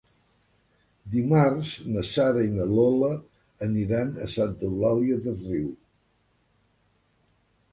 Dimarts na Sara i na Lola aniran a Santa Eulària des Riu.